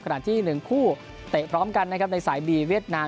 ที่๑คู่เตะพร้อมกันนะครับในสายบีเวียดนาม